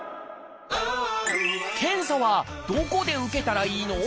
検査はどこで受けたらいいの？